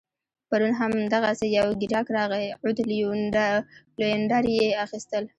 پرون هم دغسي یو ګیراک راغی عود لوینډر يې اخيستل